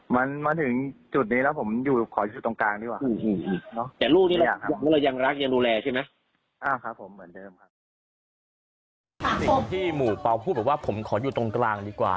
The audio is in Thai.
มาถึงจุดนี้แล้วผมขอยูตรงกลางดีกว่า